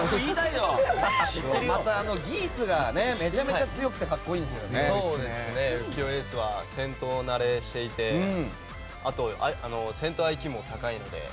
また、ギーツがめちゃめちゃ強くて浮世英寿は戦闘慣れしていてあと、戦闘ＩＱも高いので。